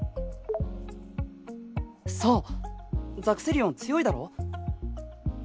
ザクセリオン強いだろ？